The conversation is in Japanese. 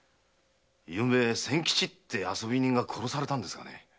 昨夜仙吉って遊び人が殺されたんですがね。